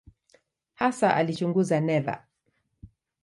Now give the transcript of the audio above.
Hasa alichunguza neva.